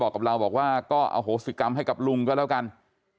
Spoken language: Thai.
กับเราบอกว่าก็อโหสิกรรมให้กับลุงก็แล้วกัน